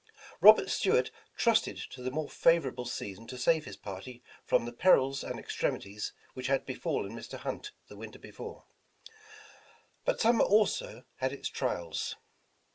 Robert Stuart trusted to the more favorable season to save his party from the perils and extremities which had befallen Mr. Hunt the winter before; but summer also had its trials.